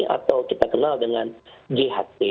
atau kita kenal dengan jht